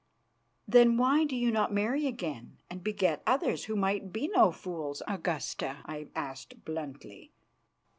"Then why do you not marry again and beget others, who might be no fools, Augusta?" I asked bluntly.